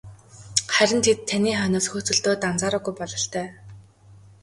Харин тэд таны хойноос хөөцөлдөөд анзаараагүй бололтой.